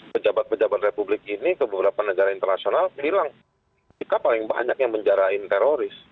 pejabat pejabat republik ini ke beberapa negara internasional bilang kita paling banyak yang menjarahin teroris